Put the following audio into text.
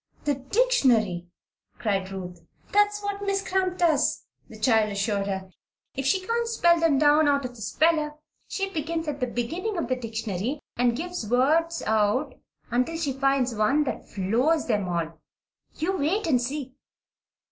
"The dictionary!" cried Ruth. "That's what Miss Cramp does," the child assured her. "If she can't spell them down out of the speller, she begins at the beginning of the dictionary and gives words out until she finds one that floors them all. You wait and see!"